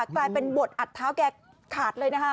กลายเป็นบทอัดเท้าแกขาดเลยนะคะ